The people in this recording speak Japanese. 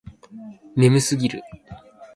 眠すぎる